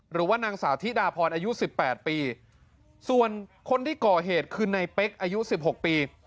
หรือว่านางสาวที่ดาพรอายุ๑๘ปีส่วนคนที่ก่อเหตุคือในเป๊กอายุ๑๖ปี